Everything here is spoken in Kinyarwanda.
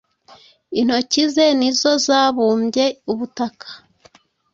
Intoki ze ni zo zabumbye ubutaka.